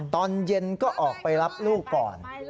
ตอนเย็นก็ออกไปรับลูกก่อน